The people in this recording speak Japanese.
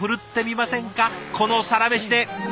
この「サラメシ」で。